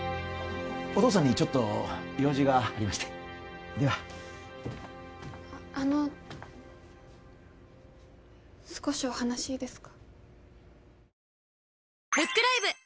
お父さんにちょっと用事がありましてではあの少しお話いいですか？